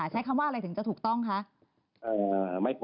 ใช้คำว่าอะไรถึงจะถูกต้องคะ